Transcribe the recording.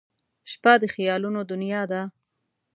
• شپه د خیالونو دنیا ده.